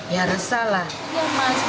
ya mas udah dengar